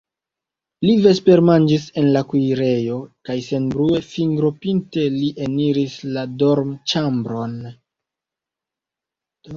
Li vespermanĝis en la kuirejo kaj senbrue, fingropinte li eniris la dormĉambron.